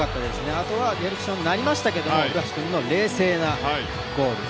あとはディフレクションになりましたけど古橋君の冷静なゴール。